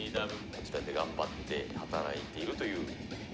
こちらで頑張って働いているという。